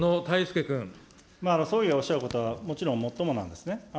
総理がおっしゃることはもちろんもっともなんですね。